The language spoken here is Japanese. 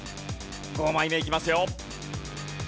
５枚目いきますよ。